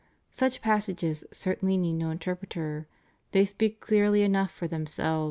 ^ Such passages certainly need no in terpreter; they speak clearly enough for themselves.